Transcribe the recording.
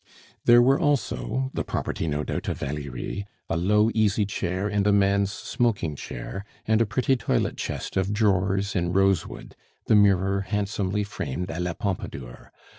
There were also the property, no doubt, of Valerie a low easy chair and a man's smoking chair, and a pretty toilet chest of drawers in rosewood, the mirror handsomely framed a la Pompadour.